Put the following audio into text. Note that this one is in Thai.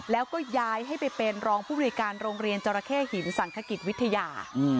แล้วก็ย้ายให้ไปเป็นรองผู้บริการโรงเรียนจราเข้หินสังขกิจวิทยา